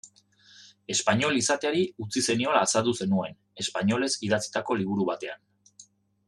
Espainol izateari utzi zeniola azaldu zenuen, espainolez idatzitako liburu batean.